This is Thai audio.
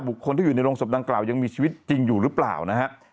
คนที่อยู่ในโรงศพดังกล่าวยังมีชีวิตจริงอยู่หรือเปล่านะฮะ